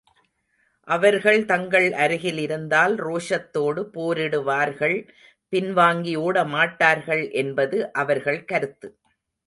அவர்கள், தங்கள் அருகில் இருந்தால் ரோஷத்தோடு போரிடுவார்கள், பின்வாங்கி ஒடமாட்டார்கள் என்பது அவர்கள் கருத்து.